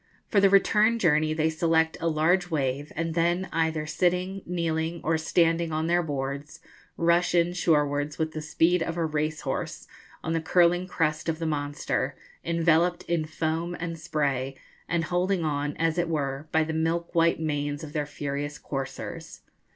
For the return journey they select a large wave; and then, either sitting, kneeling, or standing on their boards, rush in shorewards with the speed of a racehorse, on the curling crest of the monster, enveloped in foarn and spray, and holding on, as it were, by the milk white manes of their furious coursers.